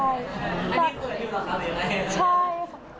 อันนี้ส่วนที่เราทำเองใช่มั้ย